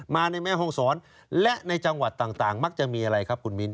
ในแม่ห้องศรและในจังหวัดต่างมักจะมีอะไรครับคุณมิ้น